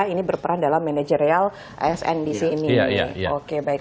ini berperan dalam manajerial asn di sini